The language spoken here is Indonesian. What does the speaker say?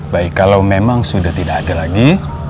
baik kalau memang sudah tidak ada lagi